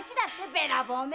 べらぼうめ！